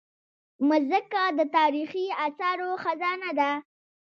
مځکه د تاریخي اثارو خزانه ده.